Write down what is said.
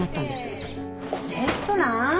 レストラン？